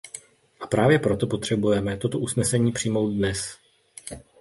A právě proto potřebujeme toto usnesení přijmout dnes.